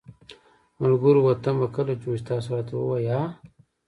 ملګروو وطن به کله جوړ شي تاسو راته ووایی ها